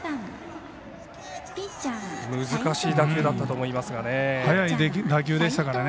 難しい打球だったと思いますがね。